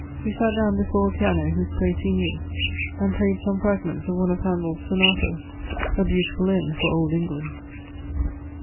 He sat down before a piano, whose place he knew, and played some fragments of one of Handel's sonatas : a beautiful end for Old England